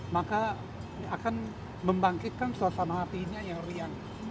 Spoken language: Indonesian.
maka akan membangkitkan suasana hatinya yang riang